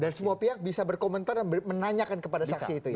dan semua pihak bisa berkomentar dan menanyakan kepada saksi itu ya